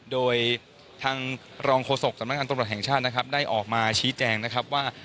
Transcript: โดยทางรองโฆษกสำนักงานตำรวจแห่งชาตินะครับได้ออกมาชี้แจงนะครับว่า